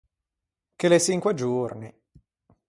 Che l’é çinque giorni.